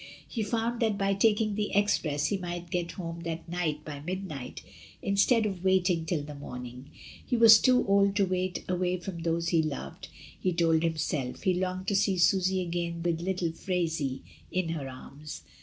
He found that by taking the express he might get home that night by midnight instead of waiting till the morning. He was too old to wait away from those he loved, he told himself; he longed to see Susy again with little Phraisie in her arms.